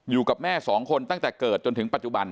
อยู่กับแม่สองคนตั้งแต่เกิดจนถึงปัจจุบัน